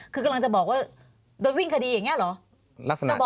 คือกำลังจะบอกว่าโดนวิ่งคดีอย่างนี้เหรอ